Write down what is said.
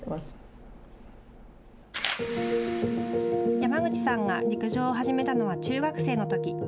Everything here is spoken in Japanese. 山口さんが陸上を始めたのは中学生のとき。